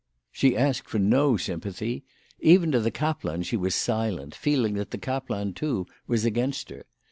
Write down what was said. She asked for no sympathy. Even to the kaplan she was silent, feeling that the kaplan, too, was against her.